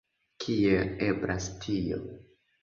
Kiel eblas tio?